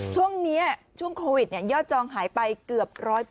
ช่วงนี้ช่วงโควิดยอดจองหายไปเกือบ๑๐๐